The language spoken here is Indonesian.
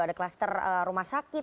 ada cluster rumah sakit